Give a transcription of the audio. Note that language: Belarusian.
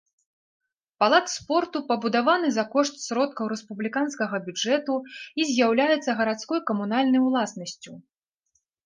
Палац спорту пабудаваны за кошт сродкаў рэспубліканскага бюджэту і з'яўляецца гарадской камунальнай уласнасцю.